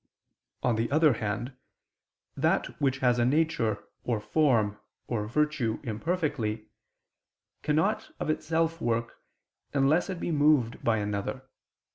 On the other hand, that which has a nature, or form, or virtue imperfectly, cannot of itself work, unless it be moved by another.